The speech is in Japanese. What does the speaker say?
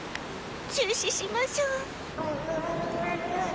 中止しましょう。